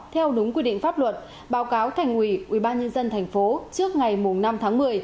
theo đúng quy định pháp luật báo cáo thành ủy ubnd tp trước ngày năm tháng một mươi